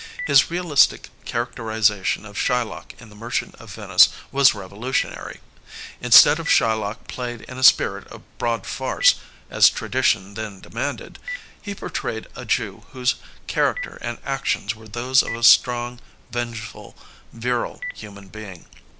His realistic characterization of Shylock in the Merchant of Venice was revolutionary. Instead of Shylock played in a spirit of broad farce, as tradition then demanded, he portrayed a Jew whose character and actions were those of a strong, vengeful, virile human being.